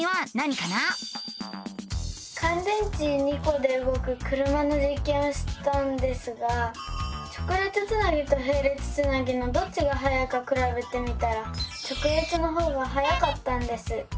かん電池２コでうごく車のじっけんをしたんですが直列つなぎとへい列つなぎのどっちがはやいかくらべてみたら直列のほうがはやかったんです。